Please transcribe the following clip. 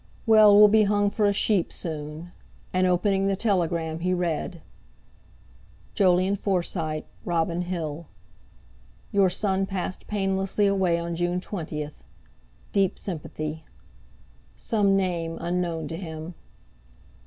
Well, we'll be hung for a sheep soon!" And, opening the telegram, he read: "JOLYON FORSYTE, Robin Hill.—Your son passed painlessly away on June 20th. Deep sympathy"—some name unknown to him.